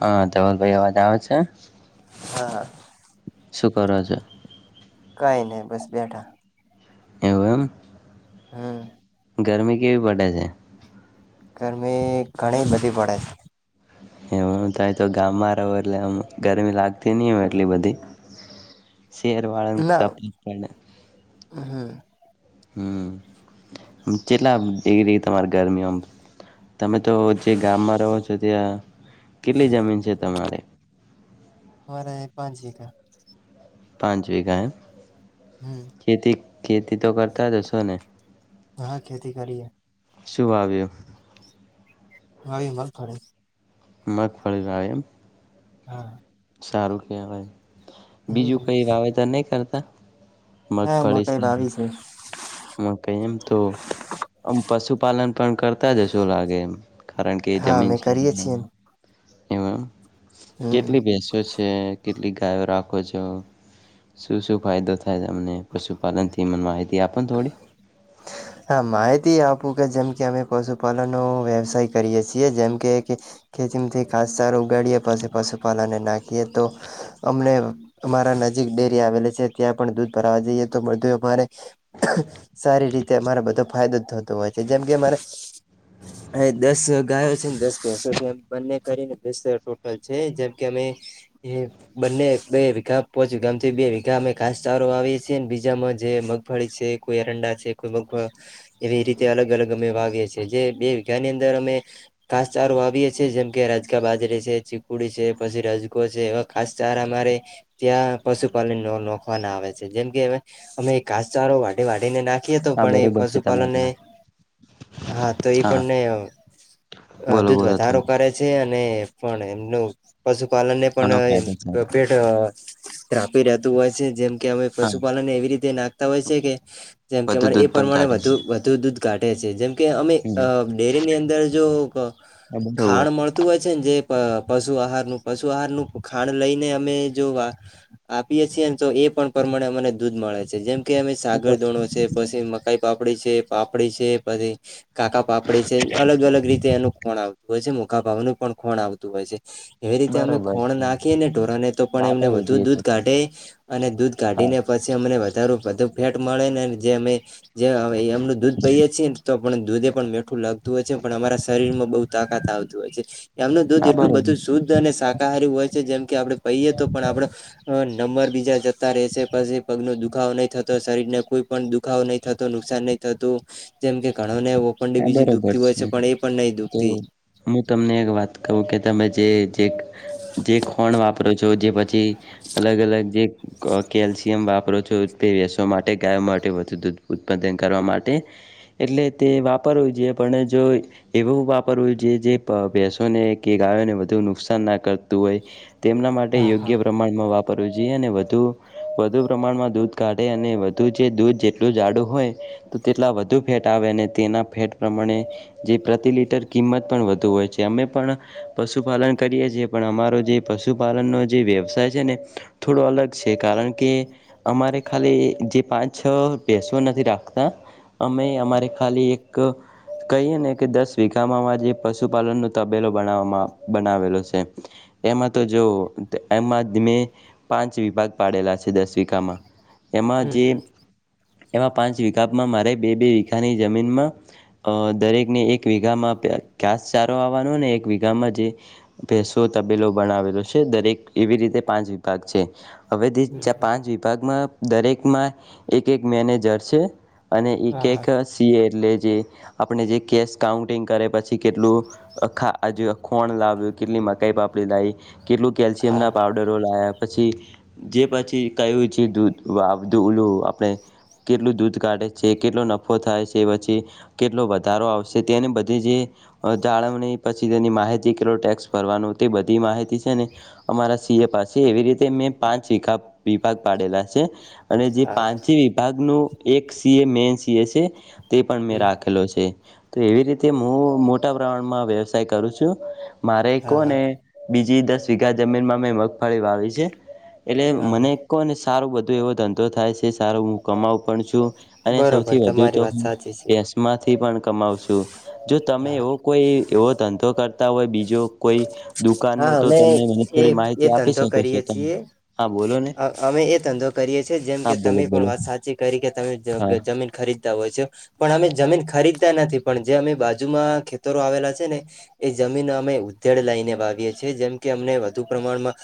હા ધવલ ભાઈ અવાજ આવે છે? હા હા શું કરો છો? કઈ નહી બસ બેઠા એવુ એમ હમ્મ ગરમી કેવી પડે છે? ગરમી ઘણી બધી પડે એવુ હું તો ગામમાં રહો એટલે આમ ગરમી લાગતી નય એમ એટલી બધી શેરવાળ છે ના તપલીક પણ હમ હમ જેટલા ડિગ્રી તમારી ગરમી આમ તમે તો જે ગામમાં રહો છો ત્યાં કેટલી જમીન છે તમારે મારે પાંચ વીઘા પાંચ વીઘા એમ હમ ખેતી ખેતી તો કરતા જ હશો ને હા ખેતી કરીએ શું વાવ્યુ હ એ મગફળી મગફણી વાવી એમ હા. સારું કેવાય હમ બીજું કઈ વાવેતર નઈ કરતા હા મોટર આવી છે. મકઈ એમ તો આમ પશુપાલન પણ કરતા જ હશું લાગે એમ કારણ કે હા જમીન અમે છે કરીએ છીએ એમ એમ હમ કેટલી ભેસો છે કેટલીક ગાયો રાખો છો શું શું ફાયદો થાય તમને પશુપાલનથી મને માહિતી આપ હા માહિતી આપ [unintelligible] કે જેમ કે અમે પશુપાલનનો વ્યવસાય કરીએ છીએ જેમ કે ખેતીમાંથી ખાસ સારો ગાડીએ પછી પશુપાલનને નાખીએ તો અમને અમારા નજીક ડેરી આવેલી છે ત્યાં પણ દૂધ ભરવા જઈએ તો [unintelligible] સારી રીતે અરે બધો ફાયદો થતું હોય છે જેમ કે મારે હ દસ ગાયો છે ને દસ ભેસો છે બંને કરીને દસ ટોટલ છે જેમ કે અમે એ બંને બે વીઘા પોચ વિઘાથી બે વીઘા અમે કાસચારો વાવીએ છે બીજામાં જે મગફળી છે કોઈ એરંડા છે કોઈ મગવા એવી રીતે અલગ અલગ અમે વાવીએ છીએ જે બે વીઘા ની અંદર અમે ઘાસચારો વાવીએ છે જેમ કે રાજકા બાજરે છે ચીકુડી છે પછી રજકો છે એવા ખાસચારા અમારે ત્યાં પશુપાલન નોખવા ના આવે છે જેમ કે અમે ઘાસચારો વાઢીને નાખીએ તો હા પણ એ બરોબર છે તમારી પશુપાલને વાત હા તો એ પણને બોલો દૂધ બોલો તમે વધારો કરે છે અને પણ એમનું પશુપાલન ને ઘણો પણ ફાયદો થાય પેટ રાપી રહેતું હોય છે જેમ કે અમે હા પશુપાલનને એવી રીતે નાખતા હોય છે કે જેમ કે વધુ અમારે એ દૂધ પણ પ્રમાણે કાઢે વધુ છે વધુ દૂધ કાઢે છે જેમ કે અમે હમ ડેરીની અંદર જો હા, બરોબર ખાણ મળતું હોય છે ને જે પશુ આહારનું પશુ આહારનું ખાંડ લઈને અમે જો વા આપીએ છીએ તો એ પણ પ્રમાણે અમને દૂધ મળે છે જેમ કે હા, [unintelligible] બ ધોણો છે પછી મકાઈ પાપ પાપડી છે પાપડી છે પછી કાકા પાપડી છે અલગ અલગ રીતે એનું કોણ આવત હોય છે મુખા ભાવનું પણ ખુંણ આવતું હોય છે એવી રીતે અમે બરોબર ખોણ છે નાખીએને ઢોરને તો પણ એમને વાપરવું વધુ જોઈએ તો દૂધ કાઢે અને દૂધ કાઢી હા ને પછી અમને વધ બધું ફેટ મળે ને જે અમે જે એમનું દૂધ પહીએે છીએને તો પણ દૂધે પણ મીઠું લાગતું હોય છે પણ અમારા શરીરમાં બઉ તાકાત આવતું હોય છે એમનું દૂધ હા એટલું બધું બરોબર છે શુદ્ધ અને શાકાહારી હોય છે જેમ કે આપડે પહીએ તો પણ આપડો નંબર બીજ જતા રહેશે પછી પગ નો દુખાવ નહી થતો શરીરને કોઈ પણ દુખાવો નઈ થતો નુકસાન નહી થતું જેમ કે ઘણો ને ઓપન હા બીજું બરોબર દુખતી હોય છે પણ એ પણ નહી તો દુખતી હું તમને એક વાત કવ તમે જે ખોણ વાપ વાપરો છો જે પછી અલગ અલગ જે કેલ્શિયમ વાપરો છો, ભેસો માટે ગાયો માટે વધુ દૂધ ઉત્પાદન કરવા માટે એટલે તે વાપરવું જોઈએ પણ જો એવું વાપરવું જોઈએ જે ભેસોને કે ગાયો ને વધુ નુકસાન ના કરતું હોય તેમના માટે યોગ્ય પ્રમાણમાં વાપ પરવુ જ અને વધુ વધુ પ્રમાણમાં દૂધ કાઢે અને વધુ જે દૂધ જેટલું જાડું હોય તો તેટલા વધુ ફેટ આવે અને તેના ફેટ પ્રમાણે જે પ્રતિ લિટર કિંમત પણ વધુ હોય છે. અમે પણ પશુપાલન કરીએ છીએ પણ અમારો જે પશુપાલનનો જે વ્યવસાય છે ને થોડો અલગ છે કાર કારણ કે અમારે ખાલી જે પાંચ છ ભેસો નથી રાખતા અમે અમારે ખાલી એક કહીએ ને કે દસ વીઘામાં જે પશુપાલનનો તબેલો બનાવામાં બનાવેલો છે. એમાં તો જોવ એમાં મેં પાંચ વિભાગ પાડેલા છે, દસ વિઘામાં એમાં હમ જે હમ એમાં પાંચ વિકપમાં મારે બે બે વિઘાની જમીનમાં દરેકને એક વિઘામાં ઘાસચારો આવાનોને એક વિઘામાં પ ભેસો તબેલો બનાવેલો છે દરેક એવી રીતે પાંચ વિભાગ છે હવે તે પાંચ વિભાગમાં દરેકમાં એક એક મેનેજર છે. અને એક હા હા એક એટલે જે આપણે જે કેશ કાઉન્ટિંગ કરે પછી કેટલુ આખૂ ખોણ લાવ્યું, કેટલી મકાઈ પાપડી લાઇ, કેટલું કેલ્શિયમના પાવડરો લાયા, પછી જે પછી કયું છે, દૂધધુંલું આપણે કેટલું દૂધ કાઢે છે, કેટલો નફો ફો થાય છે, પછી કેટલો વધારો આવશે તેને બધી જે જાળવણી પછી તેની માહિતી કેટલો ટેક્સ ભરવાનું તે બધી માહિતી છે, ને અમારા સીએ પાસે એવી રીતે પાંચીખા વિભાગ પાડેલા છે. અને જે પાંચે વિભાગનું એક સીએ મેન સીએ છે, તે પણ મેં હમ રાખેલો છે. તો એવી રીતે હું મોટા પ્રમાણમાં વ્યવસાય કરું છું. મારે હા હા કોને બીજી દસ વીઘા જમીનમાં મેં મગફળી વાવી છે. એટલે મને હા કહો ને સારો બધું એવો ધંધો થાય છે, સારો હું કમાવું પણ છું અને બરોબર સૌથી વધુ તમારી તો વાત સાચી છે. કેસમાંથી પણ કમાવ છું, જો તમે હા એવો કોઈ એવો ધંધો કર તા હોય બીજો કોઈ દુકાન નો હા તો અમે તમને મને એ થોડી એ માહિતી આપી ધંધો શકો છો કરીએ તમે છીએ હા બોલો ને અમે એ ધંધો કરીએ છિએ જેમ હા કે બોલો તમે પણ બોલો વાત સાચી કરી કે તમે ત્યાં હા જમીન ખરી ત વજો પણ અમે જમીન ખરીદતા નથી પણ જે અમે બાજુમાં ખેતરો આવેલા છે ને એ જમીન અમે ઉધેડ લઈને વાવીએ છીએ જેમ કે અમને વધુ પ્રમાણમાં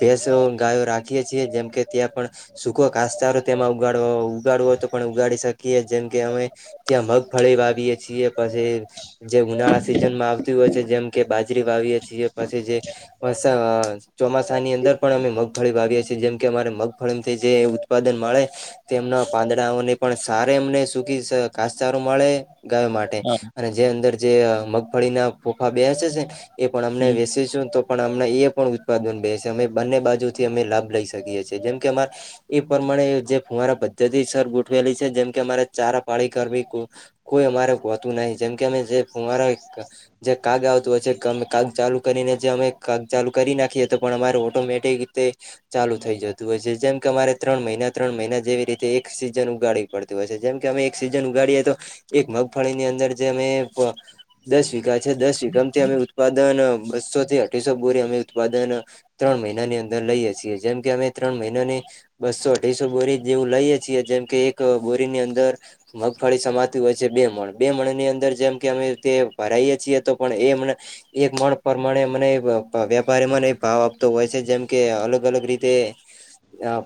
ભેસો, ગાયો રાખી છિએ જેમ કે ત્યાં પણ સુકો ઘાસચારો તેમાં ઉગાડવો ઉગાડવો હોય તો પણ ઉગાડી શકે. જેમ કે અમે ત્યાં મગફળી વાવીએ છીએ પછી જે ઉનાળા સીઝનમાં આવતી હો હોય છે, જેમ કે બાજરી વાવીએ છીએ પછી જે પસો ચોમાસાની અંદર પણ અમે મગફળી વાવીએ છીએ. જેમ કે અમારે મગફળી જે ઉત્પાદન મળે તેના પાંદડાઓને પણ સારે એમને ઘાસચારો મળે ગાયો માટે હા અને જે અંદર જે મગફળીના ફોફા બે પણ અને હમ વેસીસુ તો પણ એ પણ ઉત્પાદન બે છે, અમે બંને બાજુ થી અમે લાભ લ લઇ શકીએ છીએ જેમ કે અમારે એ પ્રમાણે જે ફુવારા પદ્ધતિસર ગોઠવેલી છે, જેમ કે અમારે ચારા પાડી કરવી કોઈ અમારે હોતું નહી જેમ કે અમે જે ફુવારા જે કાગ તો હોય છે, મે કાગ ચાલુ કરીને જે અમે કાગ ચાલુ કરી નાખીએ તો પણ અમારે ઓટોમેટિક રીતે ચાલું થઈ જતું હોય છે, જેમ કે અમારે ત્રણ મહિના ત્રણ મહિના જેવી રીતે એક સિઝન ઉગાડી પડતી હોય છે, જેમ કે અમે સીઝન ઉગાડીએ તો એક મગફળીની અંદર જે અમે દસ વિઘા છે, દસ વીઘા અમે ઉત્પાદન બસો થી, અઠીસો બોરી અમે ઉત્પાદન ત્રણ મહિનાની અંદર લઈએ, છીએ અમે ત્રણ મહિનો, ને બસો અઢસો બોરી જેવું લઈએે છીએ, જેમ કે એક બોરીની અંદર મગફળી સમાતી હોય છે, બે મણ બે મણ ની અંદર જેમ કે અમે ભરાઈએ છીએ, તો પણ એ એક પ્રમાણે મને વેપારીમાંને ભાવ આપતો હોય છે, જેમ કે અલગ અલગ રી તે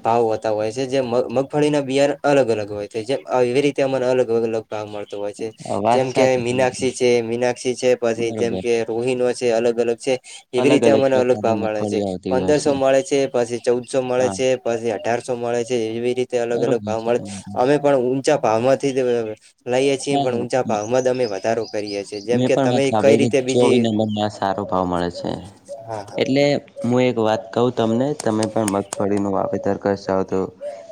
ભાવ હોતા હોય છે, જે મગફળીના બિયાર અલગ અલગ હોય છે, જે એવી રીતે અમાને અલગ અલગ અ ભાવ મળતો હોય છે, હા, વાત જેમ કે સાચી મીનાક્ષી તમારી છે, મીનાક્ષી છે, પછી જેમ બરોબર કે રોહિણ હોય છે, અલગ અલગ છે, એવી અલગ રીતે અમને અલગ પ્રકારની ભાવ મળે છે, મગફળીઓ આવતી હોય પંદરસો મળે છે, પછી. ચૌદસો મળે હા છે, પછી અઢારસો મળે છે, એવી રીતે, અલગ અલગ બરોબર ભાવ છે મળે તમારી અમે વાત. પણ ઊંચા ભાવ માંથી અ લઈએ છીએ, હા પણ ઊંચા ભાવમાં અમે વધારો કરીએ છીએ, જેમ મેં કે પણ વાત તમે કઈ સાંભળી રીતે કે ચોવી બીજી નંબરમાં સારો ભાવ મળે છે, હા એટલે હું એક વાત કહુ, તમને તમે પણ મગફળી નું વાવેતર કરાસો, તો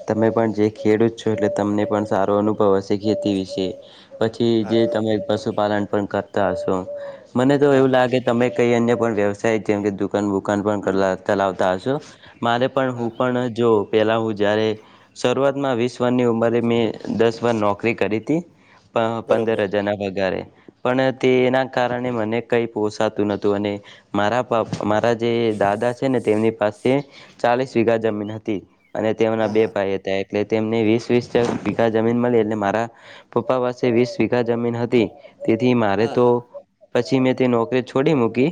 તમે પણ જે ખેડૂત છો, એ તમને પણ સારો અનુભવ હશે, ખેતી વિશે છે પછી, હા જે હા તમે પશુપાલન પણ કરતા હશો મને, તો હા હા એવું હા લાગે તમે કઈ અન્ય પણ વ્યવસાય, જેમ કે દુકાન વુકાન પણ ચલાવતા હશો, મારે પણ હા હું હા પણ જો પહેલા હું, જ્યારે શરૂઆતમાં વીસ વરની ઉંમરે મેં દસ વર નોકરી કરી બરોબર પંદર જણા વગારે પણ, તેના કારણે મને કંઈ પોસાતું નતું અને મારાપ મારા જે દાદા છેને, તેમની પાસે ચાલીસ વીઘા જમીન હતી. અને તેમના હા બે હા ભાઈ હતા, એટલે તેમને વીસ વીસા પી જમીન, મળી એટલે મારા પપ્પા પાસે વીસ વીકા જમીન હતી, તેથી મારે હા તો હા પછી, મેં તે નોકરી છોડી મૂકી,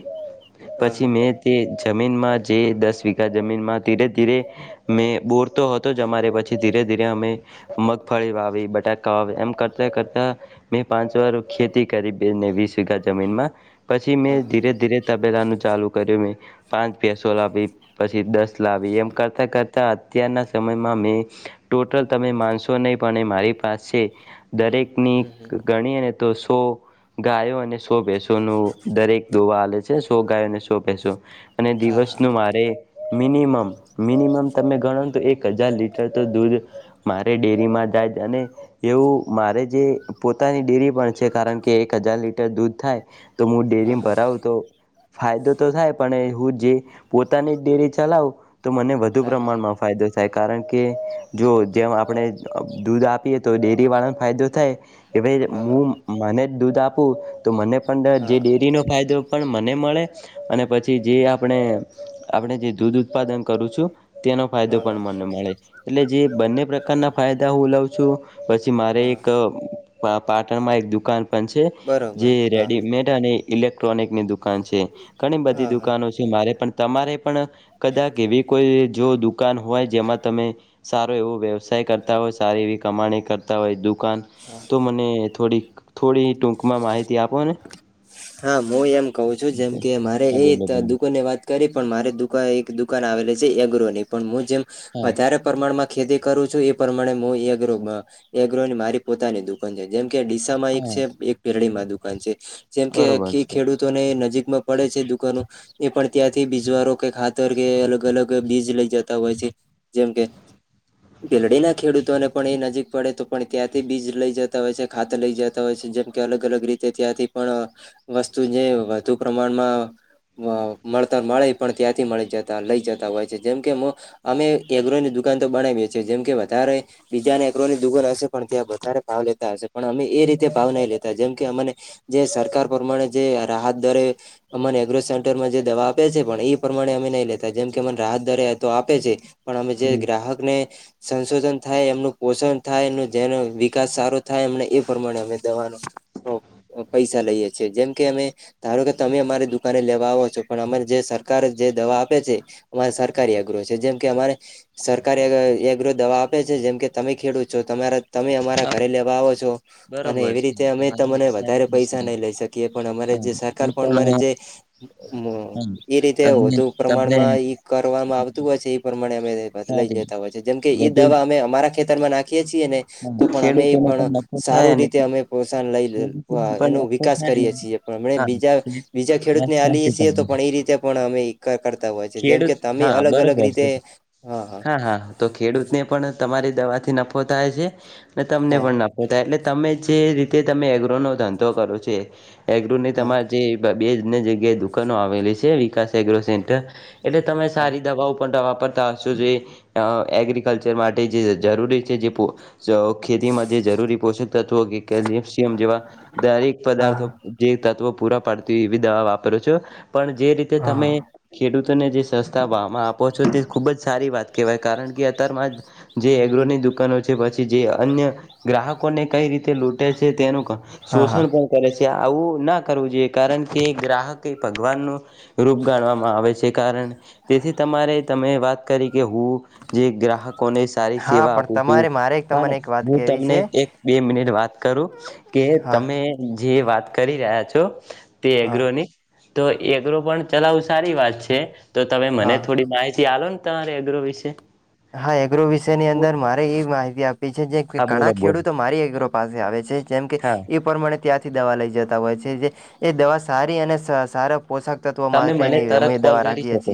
હા પછી હા મેં તે જમીનમાં, જે દસ વીઘા જમીનમાં ધીરે ધીરે મેં બોરતો હતો, જ મારે પછી ધી ધીરે, અમે મગફળી વાવી, બટાકા વાવી એમ કરતા કરતા, મેં પાંચ વાર ખેતી કરી બેને વીસ વઘા જમીનમાં પછી, હા મેં ધીરે ધીરે તબેલાનું ચાલુ કર્યું મે પાંચ પેસો લાવી પછી, દસ લાવી એમ કરતાં કર તા અત્યારના સમયમાં મે ટોટલ તમે માનશો નહીં, પણ મારી પાસે દરેકની, હમ હમ ગણી અને તો સો ગાયો અને સો ભેસો નું દરેક દોવા આવેલે છે, સો ગાયો અને શો અને હા દિવસ નુ હા મારે મિનિમમ, મિનિમમ તમે ગણો તો એક હજાર લીટર, તો દૂધ મારે ડેરીમાં જાય અને એવું મારે જે પોતાની ડેરી પણ છે, કારણ કે એક હજાર લીટર દૂધ થાય તો હું ડેરીમાં હા ભરાવું, તો ફાયદો તો થાય પણ હું જે પોતાની ડેરી ચલાવુ, તો મને વધુ હા હા પ્રમાણમાં ફાયદો થાય કારણ કે જો, જે આપણે દૂધ આપીએ, તો ડેરી વાળા એતો થાય. હા હા હું, મને જ દૂધ આપું, તો મને પણ હા જે ડેરીનો, ફાયદો પણ મને મળે અને પછી, જે આપણે. આપણે જે દૂધ ઉત્પાદન કરું છું. તેનો ફાયદો હા પણ હા મને મળે, એટલે જે બંને પ્રકારના ફાયદા, હું લઉં છું. પછી, મારે હા હા એક પાટણમાં એક દુકાન જે બરોબર હા રેડીમેડ અને ઇલેક્ટ્રોનિકની. છે, ઘણી બધી હા હા દુકાનો છે, મારે પણ તમારે પણ કદાચ એવી કોઈ, જો દુકાન હોય જેમાં તમે સારો એવો વ્યવસાય કરતા હોય, સારી એવી કમાણી કરતા હોય દુઃખ હા તો મને થોડી-થોડી, ટૂકમાં માહિતી આપો ને? હા, હું એમ કહું છું, જેમ કે મારે હા એ બોલો બોલો દુકાન ને વાત કરી પણ મારે દુકાન દુકાન આવેલી છે, એગ્રોની પણ હું જેમ હા વધારે પ્રમાણમાં ખેતી કરું છું, એ પ્રમાણે મુ એગ્રોમા એગ્રો ની મારી પોતાની દુકાન છે. જેમ ડીસામાં એક હા છ, ે એક પેરડીમાં દુકાન છે, જેમ કે બરોબર આખી છે ખેડૂતોને નજીક પડે છે દુકાનો એ પણ ત્યાંથી બીજવારો કે ખાતર કે અલગ અલગ બીજ લઈ જતા હોય છે. જેમ કે ભીલડીના ખેડૂતોને પણ એ નજીક પડે તો પણ ત્યાંથી બીજ લઈ જતા હોય છે, ખાત લઈ જતા હોય છે. જેમ કે અલગ અલગ રીતે ત્યાંથી પણ વસ્તુને વધુ પ્રમાણમાં મળતા મળે પણ ત્યાંથી મળી જતા લઈ જતા હોય છે. જેમ કે અમે એગ્રોની દુકાન તો બનાવી વેચે જેમ કે વધારે બીજાને એગરો દુગલ હશે પણ ત્યાં વધારે ભાવ લેતા હશે પણ અમે એ એ રીતે ભાવ નાઈ લેતા જેમ કે અમને જે સરકાર પ્રમાણે જે રાહત દરે અમારે એગ્રો સેન્ટરમાં જે દવા આપે છે પણ એ પ્રમાણે અમે નહી લેતા જેમ કે મને રાહત ધરે તો આપે છે. પણ અમે જે હમ ગ્રાહક ને સંશોધન થાય એમનું પોષણ થાય એ જેનો વિકાસ સારો થાય એમને એ પ્રમાણે અમે દવાનો ઓ. [unintelligible] પૈસા લઈએે છી જેમ કે અમે, ધારો કે તમે અમારી દુકાને લેવા આવો છો પણ અમારે જે સરકાર દવા આપે છે અમારે સરકારી અઘ્ર છે, જેમ કે અમારે સરકારીગ્ર દવા આપે છે. જેમ કે તમે ખેડૂત છો તમે અમારા હા ઘરે લેવા આવો છો, અને બરોબર એવી છે રીતે અમે તમારી વાત તને સાચી છે પૈસા નહી લઈ શકીએ પણ અમારે હા જે સરકાર હું પણ અરે જે, હા એ રીતે તમે વધુ તમને પ્રમાણમાં કરવામાં આવતું હોય છે એ પ્રમાણે અમે બદલાઈ સારી લેતા હોય છે જેમ કે વધુ દવા અમે અ ખેતરમાં નાખીએ છીએ ને તો હા પણ અમે ખેડૂતોને પણ નફો થાય સારું અને રીતે અમે પોસન લઈ લ ખેડૂતોને એનો પણ નફો વિકાસ થાય કરીએ ને છીએ પણ અ બીજા, હા બીજા ખેડૂત વાત ને આલીએ સાચી છીએ તો તમારી પણ એ રીતે પણ અમે કરતા હોય છે જેમ કે ખેડૂત તમે હા અલગ અલગ બરોબર રીતે છે હા હા. તો ખેડૂતને પણ તમારી દવા થી નફો થાય છે, અને તમને પણ હા નફો થાય એટલે. તમે જે રીતે તમે એગ્રો નો ધંધો કરો છે, એગ્રો ને તમારે જે બે બ જગ્યાએ દુકાનો આવેલી છે વિકાસ એગ્રો સસેન્ટર, એટલે તમે હા સારી દવા પણ તાશ જે, એગ્રિકલ્ચર માટે જે જરૂરી છે જે જો ખેતીમાં જે જરૂરી પોષક તત્વો કે કેિ્સ જેવા, દરેક હા હા પદાર્થો જે તત્વો પૂરા પાડતી હોય એવી દવા વાપરો છો. પણ જે રીતે હા તમે, ખેડૂતોને જે સસ્તા ભ આપો છો તે ખુબ જ સારી વાત કેવાય કારણ કે અત્યાર, જે એગ્રોની દુકાનો પછી જે અન્ય ગ્રાહકોને કઈ રીતે લૂટે છે તેનું હા શોષણ હા પણ કરે છે. આવું ના કરવું જોઈએ કારણ કે ગ્રાહક એ ભગવાનનું, રૂપ ગણવામાં આવે છે કારણ તેથી તમારે તમે વાત કરી. કે હું જે ગ્રાહકોને સારી હા સેવા પણ આપું છું. તમારે મારે પણ તમને એક વાત હું કેવી તમને છે એક બે મિનિટ વાત કરું, કે હા તમે જે વાત કરી રહ્યા છો, તે હા એગ્રોની. તો એકરો પણ ચલાવું સારી વાત છે, તો તમે મને હા થોડી માહિતી આલો ને. તમારે અગ્ર વિશે. હા એગ્રો વિશેની અંદર મારે એ માહિતી આપી છે જે હા ઘણા બોલો બોલો ખેડૂતો મારી એગ્રો પાસે આવે છે જેમ કે, હા એ પ્રમાણે ત્યાંથી દવા લઈ જતા હોય છે જે, એ દવા સારી અને સ સારા પોષક તત્વો તમે મને માટેની તરત અમે કોલ દવા કરી રાખીએ શકો છીએ.